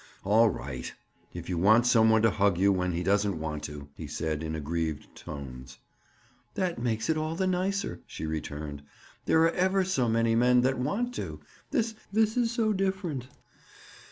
"All right! If you want some one to hug you when he doesn't want to!" he said in aggrieved tones. "That makes it all the nicer," she returned. "There are ever so many men that want to. This—this is so different!"